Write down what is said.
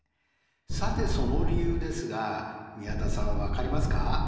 さてその理由ですが宮田さん分かりますか？